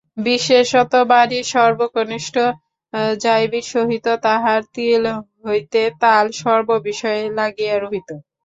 বিশেষত বাড়ির সর্বকনিষ্ঠ যাইবির সহিত তাহার তিল হইতে তাল—সর্ব বিষয়ে লাগিয়া রহিত।